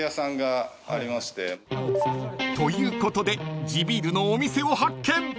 ［ということで地ビールのお店を発見］